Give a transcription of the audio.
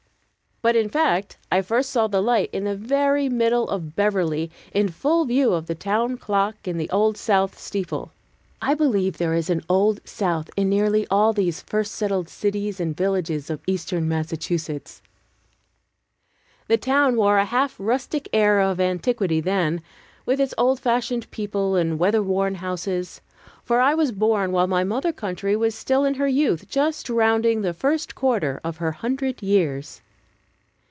But, in fact, I first saw the light in the very middle of Beverly, in full view of the town clock and the Old South steeple. (I believe there is an "Old South" in nearly all these first settled cities and villages of Eastern Massachusetts.) The town wore a half rustic air of antiquity then, with its old fashioned people and weather worn houses; for I was born while my mother century was still in her youth, just rounding the first quarter of her hundred years.